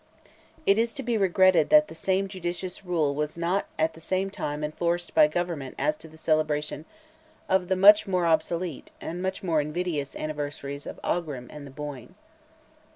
It is to be regretted that the same judicious rule was not at the same time enforced by government as to the celebration of the much more obsolete and much more invidious anniversaries of Aughrim and the Boyne.